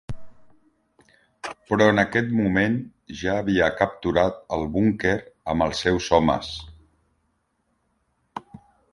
Però en aquest moment ja havia capturat el búnquer amb els seus homes.